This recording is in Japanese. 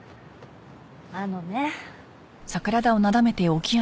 あのね。